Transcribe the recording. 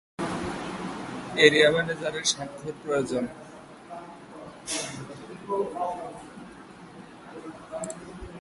এটি ভাজা ক্যাটফিশ বা অন্যান্য মাছ দিয়ে পরিবেশন করা হয়।